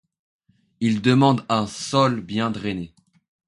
Il demande un sol bien drainé.